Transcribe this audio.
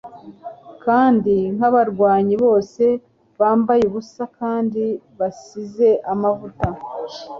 kandi nkabanywanyi bose bambaye ubusa kandi basize amavuta